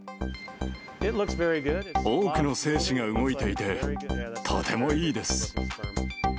多くの精子が動いていて、とてもいいです。